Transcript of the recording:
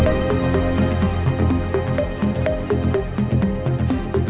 sekarang juga malam